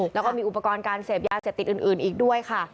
แล้วอุปกรณ์การเสียบยาเสียบติดอื่นอีกด้วย